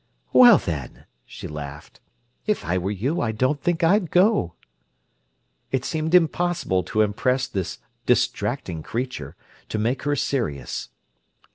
"Well, then," she laughed, "if I were you I don't think I'd go." It seemed impossible to impress this distracting creature, to make her serious.